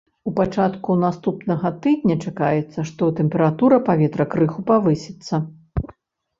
У пачатку наступнага тыдня чакаецца, што тэмпература паветра крыху павысіцца.